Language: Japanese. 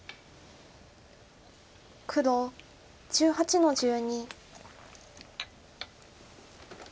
黒１８の十二。